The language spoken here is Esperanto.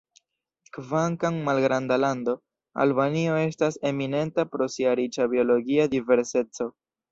Kvankam malgranda lando, Albanio estas eminenta pro sia riĉa biologia diverseco.